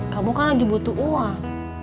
kamu kan lagi butuh uang